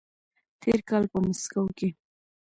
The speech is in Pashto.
تېر کال په مسکو کې